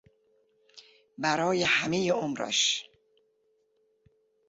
برای همهی عمرش